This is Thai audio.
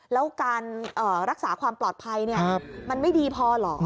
แล้วการรักษาความปลอดภัยมันไม่ดีพอเหรอ